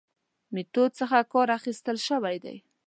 میتود څخه کار اخستل شوی دی.